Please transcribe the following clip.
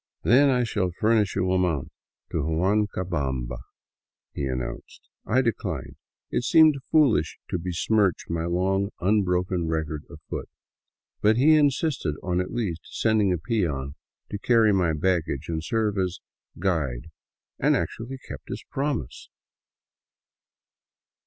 " Then I shall furnish you a mount to Huancabamba," he announced. I declined. It seemed foolish to besmirch my long, unbroken record afoot. But he insisted on at least sending a peon to carry my baggage and to serve as " guide," and actually kept his promise